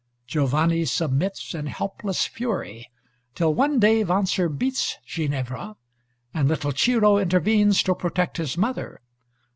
Giovanni submits in helpless fury, till one day Wanzer beats Ginevra, and little Ciro intervenes to protect his mother.